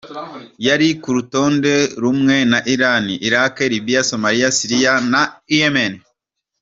Yari ku rutonde rumwe na Iran, Iraq, Libya, Somalia, Syria na Yemen.